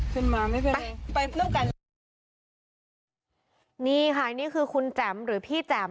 ขึ้นมาไม่เป็นไรไปนั่งกันนี่ค่ะนี่คือคุณแจ๋มหรือพี่แจ๋ม